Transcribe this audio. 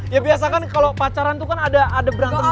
ya biasa kan kalau pacaran itu kan ada berantem